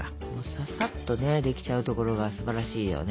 ささっとできちゃうところがすばらしいよね。